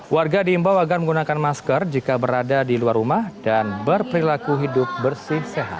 warga diimbau agar menggunakan masker jika berada di luar rumah dan berperilaku hidup bersih sehat